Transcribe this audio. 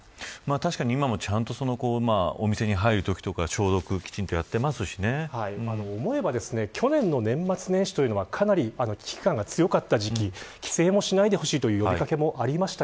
確かに今もちゃんとお店に入るときとか思えば去年の年末年始というのはかなり危機感が強かった時期帰省もしないでほしいという呼び掛けもありました。